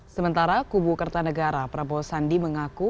sementara kubu kerta negara prabowo sandi mengaku